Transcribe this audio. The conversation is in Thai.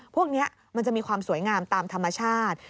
พวกนี้มันจะมีความสวยงามตามธรรมชาติ